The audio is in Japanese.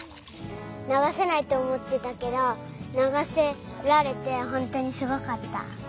ながせないっておもってたけどながせられてほんとにすごかった。